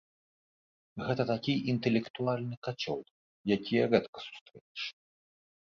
Гэта такі інтэлектуальны кацёл, якія рэдка сустрэнеш.